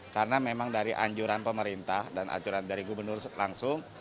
karena memang dari anjuran pemerintah dan anjuran dari gubernur langsung